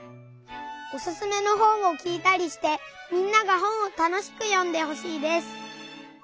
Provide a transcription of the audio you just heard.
おすすめの本をきいたりしてみんなが本をたのしくよんでほしいです。